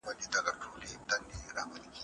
هیڅوک باید د خپلي دندي له امله سپک نه سي.